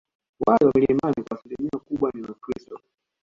Wale wa milimani kwa asilimia kubwa ni wakristo